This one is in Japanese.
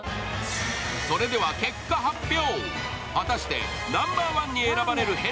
それでは結果発表。